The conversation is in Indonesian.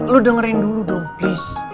lo dengerin dulu dong please